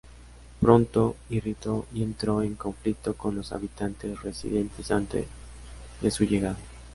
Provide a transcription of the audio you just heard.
Pronto irritó y entró en conflicto con los habitantes residentes antes de su llegada.